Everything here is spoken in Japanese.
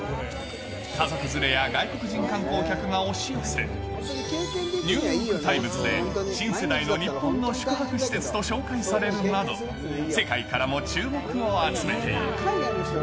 家族連れや外国人観光客が押し寄せ、ニューヨークタイムズで新世代の日本の宿泊施設と紹介されるなど、世界からも注目を集めている。